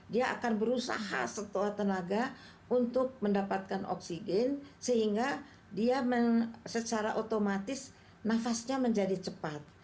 dia akan berusaha setua tenaga untuk mendapatkan oksigen sehingga dia secara otomatis nafasnya menjadi cepat